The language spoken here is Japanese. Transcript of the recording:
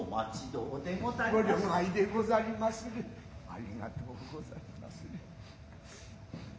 ありがとうござりまする。